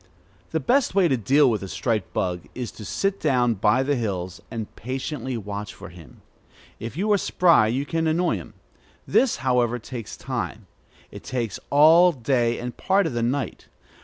The best way to deal with the striped bug is to sit down by the hills, and patiently watch for him. If you are spry, you can annoy him. This, however, takes time. It takes all day and part of the night.